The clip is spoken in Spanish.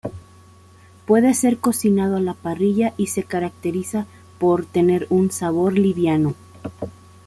Puede ser cocinado a la parrilla y se caracteriza por tener un sabor liviano.